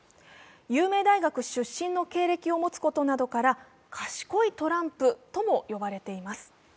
有名大学出身の経歴を持つことから賢いトランプとも呼ばれています。